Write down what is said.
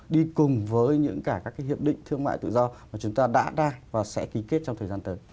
đi cùng với những cả các hiệp định thương mại tự do mà chúng ta đã đang và sẽ ký kết trong thời gian tới